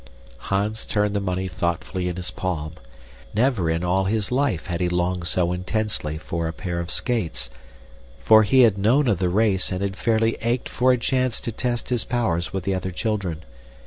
Hans turned the money thoughtfully in his palm. Never in all his life had he longed so intensely for a pair of skates, for he had known of the race and had fairly ached for a chance to test his powers with the other children.